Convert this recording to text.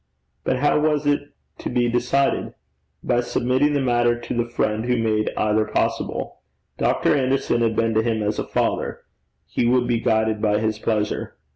But how was it to be decided? By submitting the matter to the friend who made either possible. Dr. Anderson had been to him as a father: he would be guided by his pleasure.